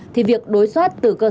thì việc đối soát từ cơ sở dựa